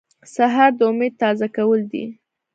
سهار د امید تازه کول دي.